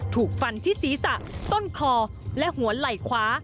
ถูกฟันที่ศีรษะต้นคอและหัวไหล่ขวา